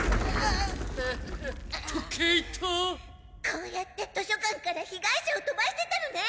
こうやって図書館から被害者を飛ばしてたのね。